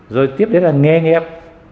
rồi tiếp đến là nghề nghiệp